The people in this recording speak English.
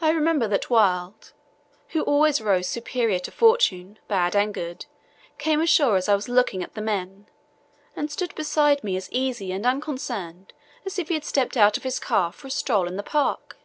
I remember that Wild, who always rose superior to fortune, bad and good, came ashore as I was looking at the men and stood beside me as easy and unconcerned as if he had stepped out of his car for a stroll in the park.